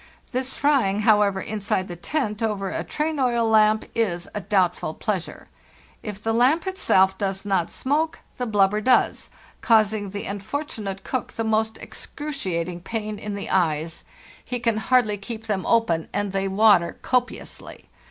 This frying, however, inside the tent over a train oil lamp, is a doubtful pleasure. If the lamp itself does not smoke the blubber does, causing the unfortunate cook the most excruciating pain in the eyes; he can 296 FARTHEST NORTH hardly keep them open, and they water copiously.